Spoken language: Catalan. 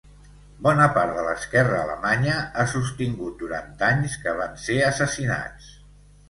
Bona part de l’esquerra alemanya ha sostingut durant anys que van ser assassinats.